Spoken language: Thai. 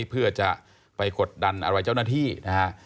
เพื่อจะไปกดดันอลวัยเจ้านาทีนะคะ